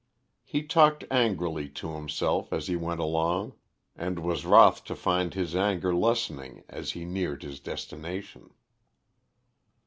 He talked angrily to himself as he went along, and was wroth to find his anger lessening as he neared his destination.